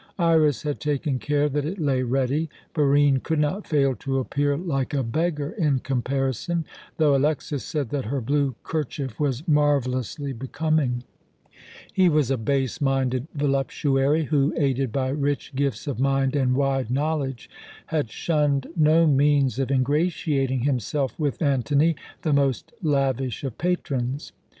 Iras had taken care that it lay ready. Barine could not fail to appear like a beggar in comparison, though Alexas said that her blue kerchief was marvellously becoming. He was a base minded voluptuary, who, aided by rich gifts of mind and wide knowledge, had shunned no means of ingratiating himself with Antony, the most lavish of patrons.